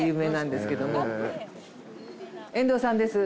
遠藤さんです。